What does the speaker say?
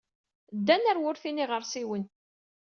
Ddan ɣer wurti n yiɣersiwen.